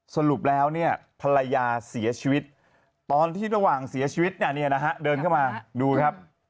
สรุปแล้วเนี่ยภรรยาเสียชีวิตตอนที่ระหว่างเสียชีวิตเนี่ยนะฮะเดินเข้ามาดูครับ